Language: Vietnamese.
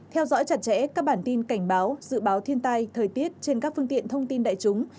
theo dõi chặt chẽ các bản tin cảnh báo dự báo thiên tai thời tiết trên các phương tiện thông tin đại chúng